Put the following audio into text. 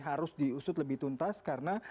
harus diusut lebih tuntas karena